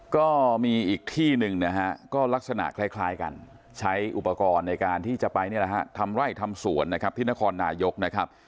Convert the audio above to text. ก็มีอีกที่หนึ่งก็ลักษณะคล้ายกันใช้อุปกรณ์ในการที่จะไปทำไร้ทำสวนที่นครหนาโยกนะครับ